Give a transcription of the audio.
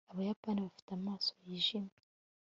abayapani bafite amaso yijimye